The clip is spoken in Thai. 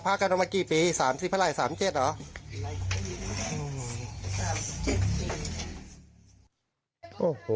พระพระกันตอนเมื่อกี้ปี๓๐พระร่าย๓๗หรอ